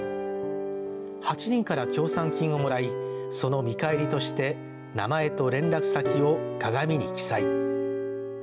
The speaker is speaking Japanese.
８人から協賛金を貰いその見返りとして名前と連絡先を鏡に記載。